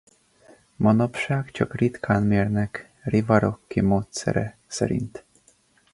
Manapság csak ritkán mérnek Riva-Rocci módszere szerint.